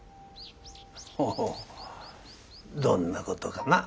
ほうどんなことかな？